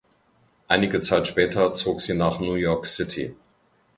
Einige Zeit später zog sie nach New York City.